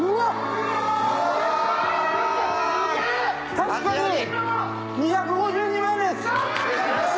確かに２５２万です。